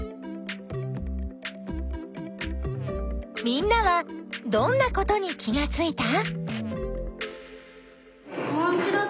みんなはどんなことに気がついた？